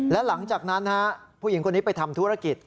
และหลังจากนั้นผู้หญิงคนนี้ไปทำธุรกิจ